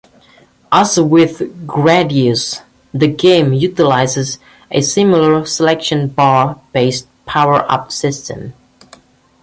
As with "Gradius", the game utilizes a similar selection-bar based power-up system.